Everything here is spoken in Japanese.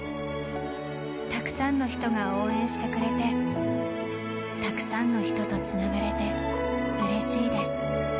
たくさんの人が応援してくれて、たくさんの人とつながれてうれしいです。